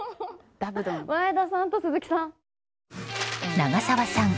眞栄田さんと鈴木さん。